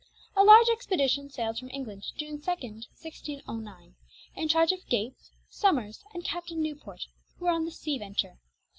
A large expedition sailed from England June 2, 1609, in charge of Gates, Somers, and Captain Newport, who were on the Sea Venture.